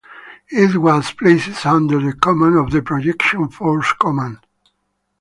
It was placed under the command of the Projection Forces Command.